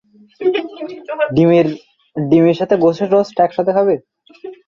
সেতু দ্বারা সড়কটি চম্পা নদী অতিক্রম করে।